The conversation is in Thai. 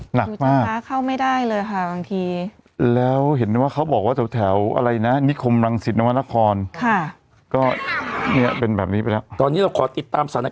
หนักมากดูจะล้าเข้าไม่ได้เลยค่ะบางที